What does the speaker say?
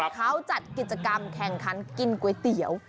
เขาจัดกิจกรรมแข่งขันกินก๋วยเตี๋ยว